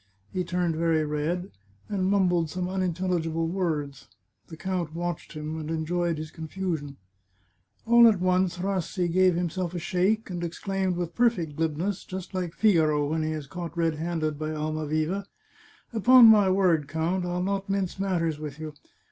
He turned very red, and mumbled some unintelligible words. The count watched him, and enjoyed his confusion. All at once Rassi gave himself a shake, and exclaimed with perfect glibness, just like Figaro when he is caught red handed by Almaviva :" Upon my word, count, I'll not mince matters with you.